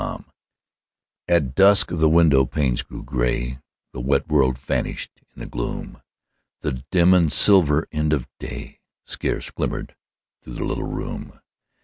FORGIVENESS At dusk the window panes grew grey; The wet world vanished in the gloom; The dim and silver end of day Scarce glimmered through the little room.